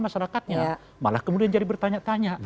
masyarakatnya malah kemudian jadi bertanya tanya